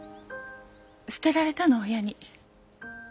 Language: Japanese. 捨てられたの親に。